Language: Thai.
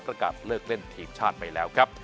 ประกาศเลิกเล่นทีมชาติไปแล้วครับ